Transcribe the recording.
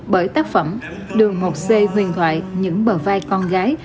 bởi tác phẩm đường một c huyền thoại những bờ vai con gái